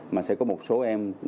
mà sẽ có một số em